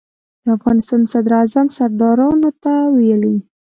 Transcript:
د افغانستان صدراعظم سردارانو ته ویلي.